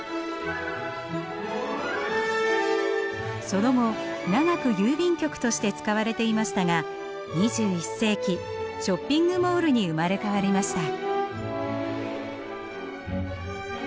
その後長く郵便局として使われていましたが２１世紀ショッピングモールに生まれ変わりました。